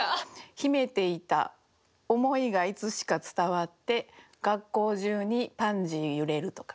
「秘めていた思いがいつしか伝わって学校中にパンジー揺れる」とか。